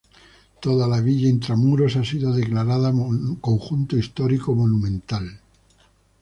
Toda la villa intramuros ha sido declarada conjunto histórico monumental.